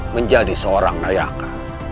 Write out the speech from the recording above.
menjadi seorang nayaka